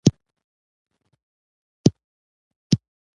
زه خپل کالي پاک ساتم